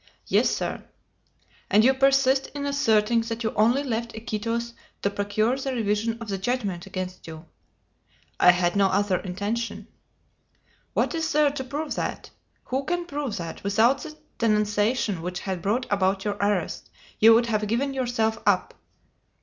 "Yes, sir." "And you persist in asserting that you only left Iquitos to procure the revision of the judgment against you." "I had no other intention." "What is there to prove that? Who can prove that, without the denunciation which had brought about your arrest, you would have given yourself up?"